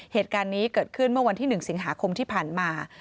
เหตุการณ์นี้เกิดขึ้นเมื่อวันที่๑สิงหาคมที่ผ่านมา